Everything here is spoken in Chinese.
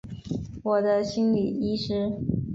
我的心理医师